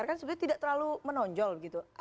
itu kan sebenarnya tidak terlalu menonjol